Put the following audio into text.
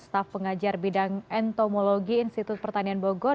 staf pengajar bidang entomologi institut pertanian bogor